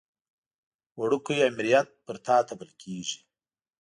وړوکی امریت پر تا تپل کېږي.